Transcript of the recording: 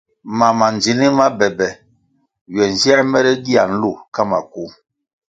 Mam ma ndzinih ma be be ywe nziē mere gia nlu ka maku.